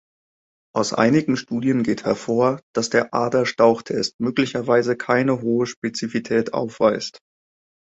Aus einigen Studien geht hervor, dass der Aderstauchtest möglicherweise keine hohe Spezifität aufweist.